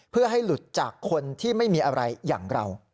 เพื่อให้หลุดจากคนที่ไม่มีอะไรอย่างเรา